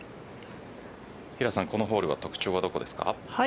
平瀬さん、このホール特徴はどこですか。